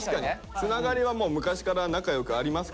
つながりは昔から仲良くありますからね。